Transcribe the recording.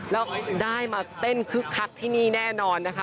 แล้วได้มาเต้นคึกคักที่นี่แน่นอนนะคะ